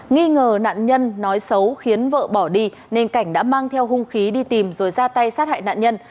nghi ngờ nạn nhân nói xấu khiến vợ bỏ đi nên cảnh đã mang theo hung khí đi tìm rồi ra tay sát hại nạn nhân